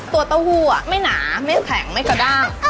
เต้าหู้ไม่หนาไม่แข็งไม่กระด้าง